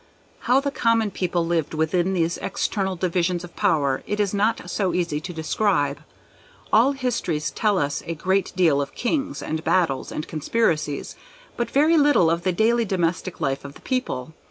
How the common people lived within these external divisions of power it is not so easy to describe. All histories tell us a great deal of kings, and battles, and conspiracies, but very little of the daily domestic life of the people.